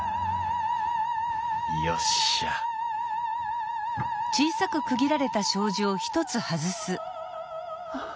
よっしゃあ